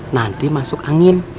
nanti masuk angin